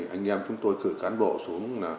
anh em chúng tôi cử cán bộ xuống